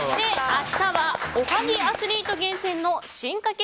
明日はおはぎアスリート厳選の進化系